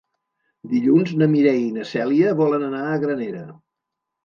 Dilluns na Mireia i na Cèlia volen anar a Granera.